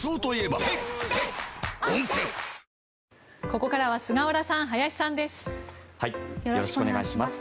ここからは菅原さん、林さんです。